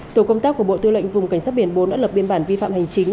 tổ công tác của bộ tư lệnh vùng cảnh sát biển bốn đã lập biên bản vi phạm hành chính